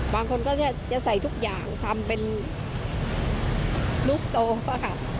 บางคนก็จะใส่ทุกอย่างทำเป็นลูกโตค่ะ